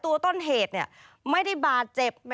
ตัวต้นเหตุไม่ได้บาดเจ็บ